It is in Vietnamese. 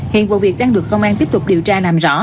hiện vụ việc đang được công an tiếp tục điều tra làm rõ